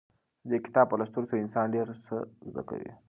د دې کتاب په لوستلو سره انسان ډېر څه زده کوي.